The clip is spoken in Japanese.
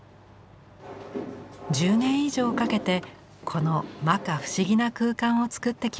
１０年以上かけてこのまか不思議な空間を作ってきました。